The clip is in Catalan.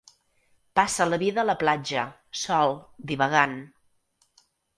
Passa la vida a la platja, sol, divagant.